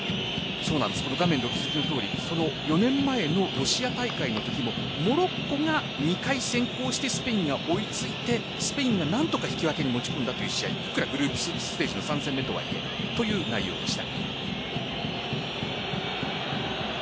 画面でお気づきのとおり４年前のロシア大会のときもモロッコが２回先攻してスペインが追いついてスペインが何とか引き分けに持ち込んだいくらグループステージの３戦目とはいえの内容でした。